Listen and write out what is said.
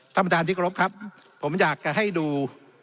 ท่านประชาชนิกรบครับผมอยากให้ดู